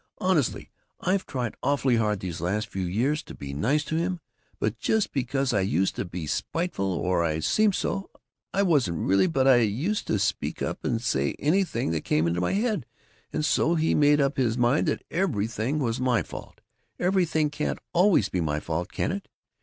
Honestly, I've tried awfully hard, these last few years, to be nice to him, but just because I used to be spiteful or I seemed so; I wasn't, really, but I used to speak up and say anything that came into my head and so he made up his mind that everything was my fault. Everything can't always be my fault, can it?